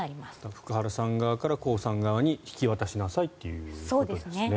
福原さん側からコウさん側に引き渡しなさいということですね。